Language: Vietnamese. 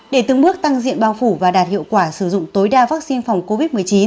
để từng bước tăng diện bao phủ và đạt hiệu quả sử dụng tối đa vaccine phòng covid một mươi chín